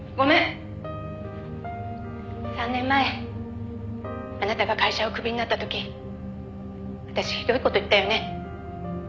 「３年前あなたが会社をクビになった時私ひどい事言ったよね」